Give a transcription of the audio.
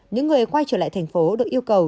những người quay trở lại thành phố được yêu cầu